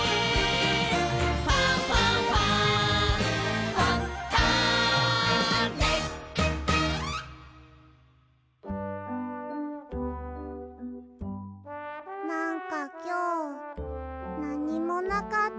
「ファンファンファン」なんかきょうなにもなかったね。